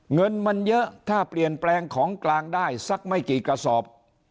เงินมันเยอะถ้าเปลี่ยนแปลงของกลางได้สักไม่กี่กระสอบ